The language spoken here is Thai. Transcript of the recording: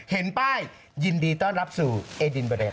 เห็นป้ายยินดีต้อนรับสู่เอดินเบอร์เรส